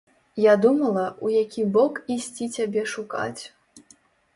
Я думала, у які бок ісці цябе шукаць.